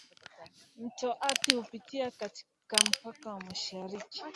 Mto Athi hupitia katika mpaka wa mashariki.